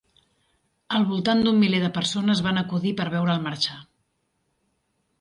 Al voltant d'un miler de persones van acudir per veure'l marxar.